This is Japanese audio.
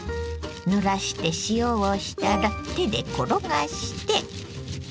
ぬらして塩をしたら手で転がして。